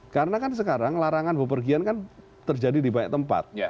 karena kan sekarang larangan pepergian kan terjadi di banyak tempat